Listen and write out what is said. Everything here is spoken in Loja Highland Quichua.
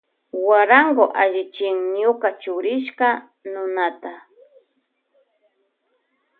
Guarango allichin ñuka chukrishkata nunata.